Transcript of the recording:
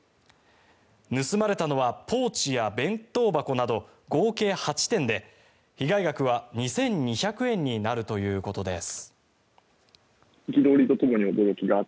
盗まれたのはポーチや弁当箱など合計８点で被害額は２２００円になるということです。